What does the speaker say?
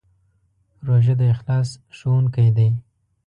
روژه د اخلاص ښوونکی دی.